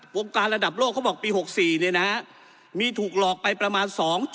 วงการระดับโลกเขาบอกปี๖๔มีถูกหลอกไปประมาณ๒๐